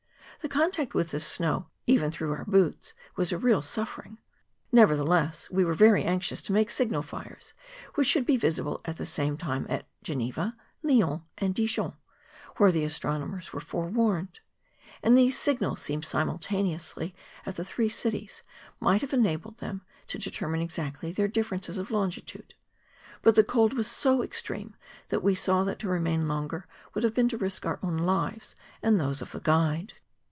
The contact with this snow even through our boots was a real suffering. Nevertheless, we were very anxious to make signal fires, which should be visible at the same time at Greneva, L 3 mns, and Dijon, where the astronomers were forewarned: and these signals, seen simultaneously at the three cities,''might have enabled them to determine exactly their differences of longitude; but the cold was so extreme that we saw that to remain longer would have been to risk our own lives and those of the guide.